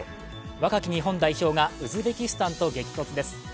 若き日本代表がウズベキスタンと激突です。